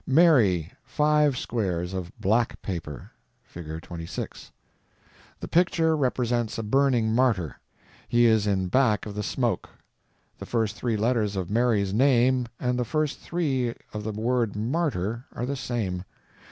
Mary; five squares of _black _paper. (Fig. 26.) The picture represents a burning martyr. He is in back of the smoke. The first three letters of Mary's name and the first three of the word martyr are the same.